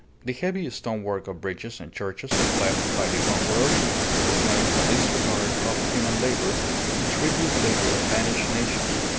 The heavy stonework of bridges and churches left by the conquerors proclaimed the disregard of human labour, the tribute labour of vanished nations.